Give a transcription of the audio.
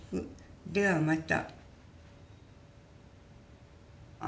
ではまた」。